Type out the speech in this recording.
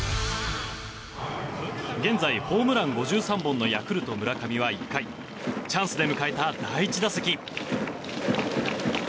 現在、ホームラン５３本のヤクルト、村上は１回チャンスで迎えた第１打席。